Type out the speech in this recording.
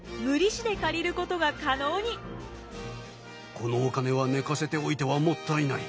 このお金は寝かせておいてはもったいない。